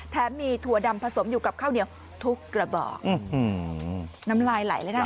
แถมมีถั่วดำผสมอยู่กับข้าวเหนียวทุกกระบอกน้ำลายไหลเลยนะ